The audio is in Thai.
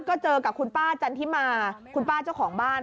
ก็เจอกับคุณป้าจันทิมาคุณป้าเจ้าของบ้าน